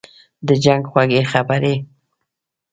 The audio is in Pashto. « د جنګ خوږې خبري